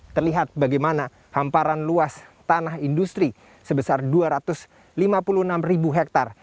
terlihat bagaimana hamparan luas tanah industri sebesar dua ratus lima puluh enam ribu hektare